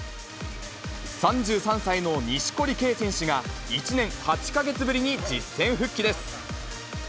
３３歳の錦織圭選手が、１年８か月ぶりに実戦復帰です。